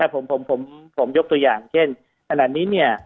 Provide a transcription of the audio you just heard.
ผมยกตัวอย่างที่ขนาดนี้